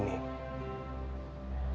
menghadapi takdir ini